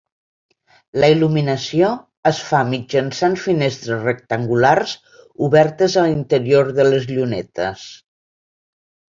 La il·luminació es fa mitjançant finestres rectangulars obertes a l'interior de les llunetes.